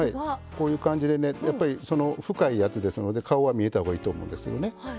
こういう感じでねやっぱりその深いやつですので顔は見えたほうがいいと思うんですよね。